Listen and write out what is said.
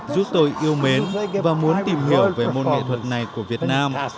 giúp tôi yêu mến và muốn tìm hiểu về môn nghệ thuật này của việt nam